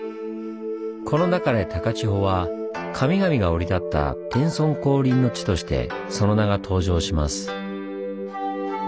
この中で高千穂は「神々が降り立った天孫降臨の地」としてその名が登場します。